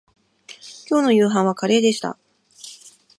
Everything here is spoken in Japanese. きょうの夕飯はカレーでした